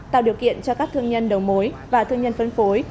tạo điều kiện cho các thương nhân đầu mối và thương nhân phân phối